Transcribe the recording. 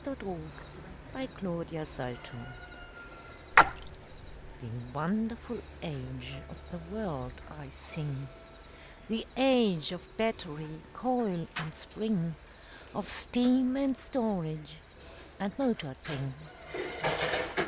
THE AGE OF MOTORED THINGS The wonderful age of the world I sing— The age of battery, coil and spring, Of steam, and storage, and motored thing.